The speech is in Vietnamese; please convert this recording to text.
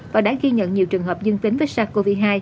và đã ghi nhận nhiều trường hợp dương tính với sars cov hai